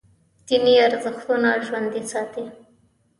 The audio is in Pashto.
دیني ارزښتونه ژوندي ساتي.